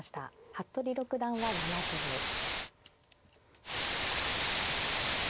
服部六段は７分です。